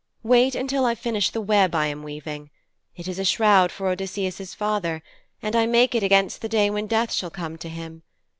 Wait until I finish the web I am weaving. It is a shroud for Odysseus' father, and I make it against the day when death shall come to him.